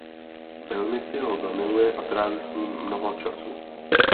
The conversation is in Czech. Velmi si ho zamiluje a tráví s ním mnoho času.